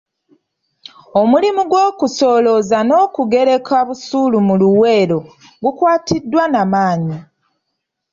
Omulimu gw’okusolooza n’okugereka busuulu mu Luweero gukwatiddwa na maanyi.